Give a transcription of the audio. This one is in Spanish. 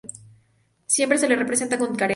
Siempre se le representa con careta.